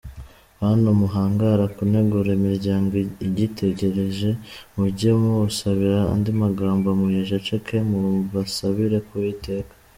Bantu muhangara kunegura imiryango igitegereje, mujye muwusabira andi magambo muyaceceke, mubasabire ku Uwiteka.